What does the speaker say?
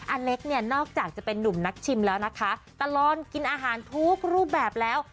อเล็กเนี่ยนอกจากจะเป็นนุ่มนักชิมแล้วนะคะตลอดกินอาหารทุกรูปแบบแล้ว